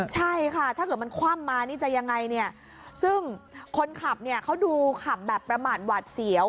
ใช่ค่ะถ้าเกิดมันคว่ำมานี่จะยังไงเนี่ยซึ่งคนขับเนี่ยเขาดูขับแบบประมาทหวาดเสียว